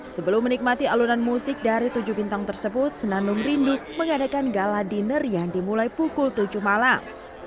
sebelum menikmati alunan musik dari tujuh bintang tersebut senandung rindu mengadakan gala dinner yang dimulai pukul tujuh malam